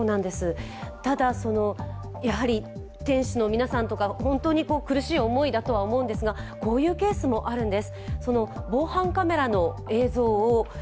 ただ、店主の皆さんとか、本当に苦しい思いだと思うんですがこういうケースもあるんです。